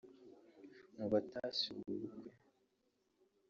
Mu batashye ubu bukwe